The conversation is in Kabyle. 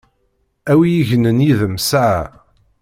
A wi yegnen yid-m saɛa!